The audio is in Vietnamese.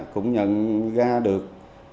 cũng nhận ra được